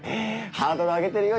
ハードル上げてるよ